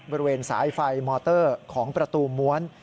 บริเวณสายไฟมอเตอร์ของประตูม้วน